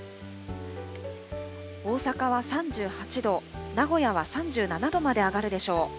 大阪は３８度、名古屋は３７度まで上がるでしょう。